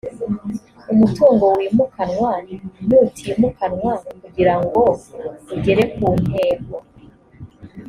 umutungo wimukanwa nutimukanwa kugira ngo ugere ku ntego